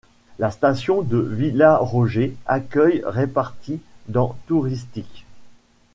La station de Villaroger accueille répartis dans touristiques.